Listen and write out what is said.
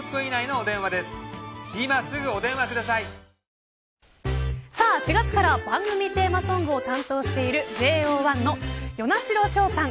ＮＥＷＳｍｉｌｅは４月から番組テーマソングを担当しているＪＯ１の與那城奨さん